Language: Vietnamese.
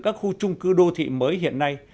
các khu trung cư đô thị mới hiện nay